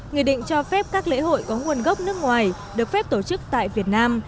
nghị định cho phép các lễ hội có nguồn gốc nước ngoài được phép tổ chức tại việt nam